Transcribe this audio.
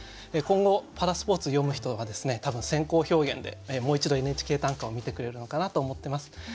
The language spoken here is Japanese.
今後パラスポーツ詠む人は多分先行表現でもう一度「ＮＨＫ短歌」を見てくれるのかなと思ってます。